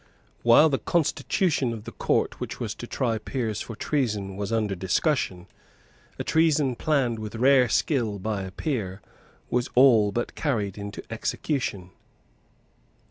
While the constitution of the Court which was to try peers for treason was under discussion, a treason planned with rare skill by a peer was all but carried into execution.